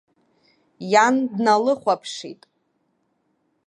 Иан дналыхәаԥшит.